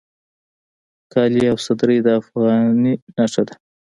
کالي او صدرۍ د افغاني نښه ده